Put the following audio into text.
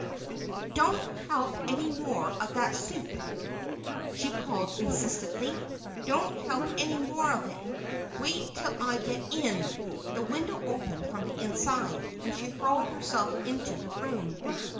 "Don't help any more of that soup," she called insistently. "Don't help any more of it—wait till I get in." The window opened from the inside, and she hurled herself into the room.